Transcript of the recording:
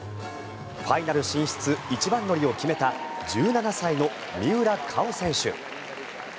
ファイナル進出一番乗りを決めた１７歳の三浦佳生選手。